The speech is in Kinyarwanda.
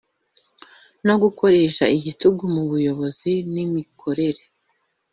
no gukoresha igitugu mu buyobozi n'imikorere